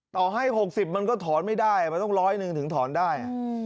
ต่อให้๖๐มันก็ถอนไม่ได้มันต้องร้อยหนึ่งถึงถอนได้